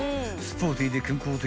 ［スポーティーで健康的］